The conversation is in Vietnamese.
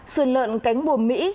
sườn lợn cánh bùa mỹ